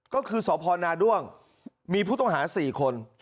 ก็คือสพนาด้วงมีผู้ต้องหา๔คน